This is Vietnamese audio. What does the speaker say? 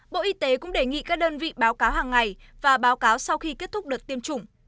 bộ y tế cũng đề nghị các đơn vị báo cáo hàng ngày và báo cáo sau khi kết thúc đợt tiêm chủng